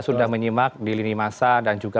sudah menyimak di lini masa dan juga